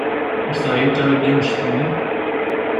Ur teεyiḍ ara deg annect-nni?